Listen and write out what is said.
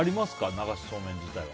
流しそうめんは。